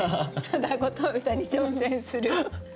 「ただごと歌」に挑戦する。